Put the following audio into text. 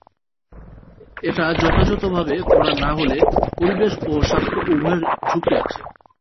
এটা যথাযথভাবে করা না হলে, পরিবেশ ও স্বাস্থ্য উভয়ের ঝুঁকি আছে।